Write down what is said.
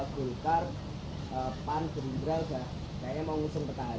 bulkar pan gerindra kayaknya mau ngusung pertanyaan